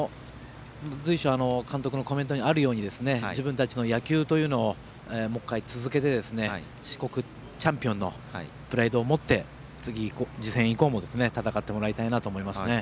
監督のコメントにあるように自分たちの野球というのをもう１回、続けて四国チャンピオンのプライドを持って次戦以降も戦ってもらいたいと思います。